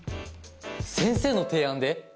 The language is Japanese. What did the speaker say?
先生の提案で？